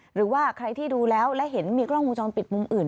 หรือว่าใครที่ดูแล้วและเห็นมีกล้องวงจรปิดมุมอื่น